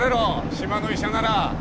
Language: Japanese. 島の医者なら。